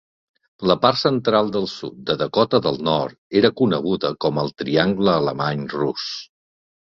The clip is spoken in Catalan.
La part central del sud de Dakota del Nord era coneguda com "el triangle alemany-rus".